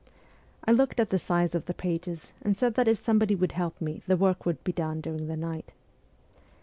I looked at the size of the pages, and said that if somebody would help me the work could be done during the night.